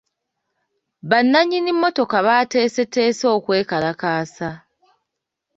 Bannannyini mmotoka bateeseteese okwekalakaasa.